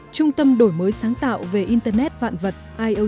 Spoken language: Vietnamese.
trung tâm đổi mới sáng tạo về internet vạn vật iot innovation hub